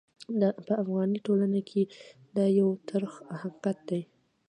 په افغاني ټولنه کې دا یو ترخ حقیقت دی.